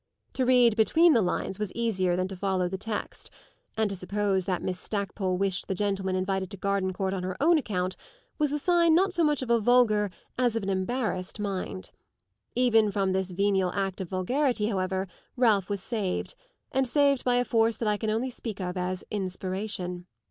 To read between the lines was easier than to follow the text, and to suppose that Miss Stackpole wished the gentleman invited to Gardencourt on her own account was the sign not so much of a vulgar as of an embarrassed mind. Even from this venial act of vulgarity, however, Ralph was saved, and saved by a force that I can only speak of as inspiration.